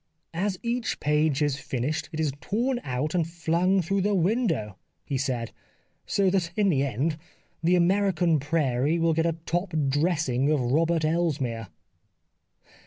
'' As each page is finished it is torn out and flung through the window," he said, " So that in the end the American prairie will get a top dressing of Robert Elsmere."